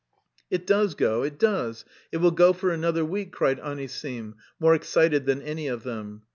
"It does go, it does, it will go for another week," cried Anisim, more excited than any of them.